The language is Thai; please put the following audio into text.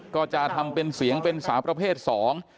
ก็จะทำเป็นเสียงเป็นสาวประเภทสอง